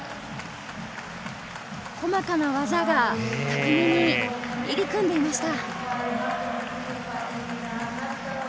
細かな技が巧みに入り組んでいました。